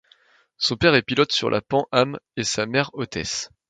Son père est pilote sur la Pan Am et sa mère hôtesse.